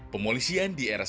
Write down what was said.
pemolisian di rss